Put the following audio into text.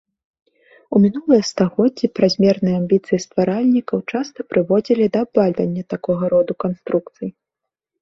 У мінулыя стагоддзі празмерныя амбіцыі стваральнікаў часта прыводзілі да абвальвання такога роду канструкцый.